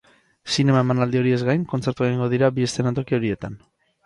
Zinema emanaldi horiez gain, kontzertuak egingo dira bi eszenatoki horietan.